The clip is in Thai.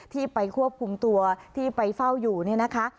ที่ไปควบคุมตัวที่ไปเฝ้าอยู่เนี่ยนะคะ